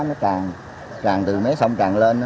nó tràn tràn từ mé sông tràn lên